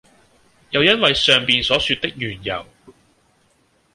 又因爲上面所說的緣由，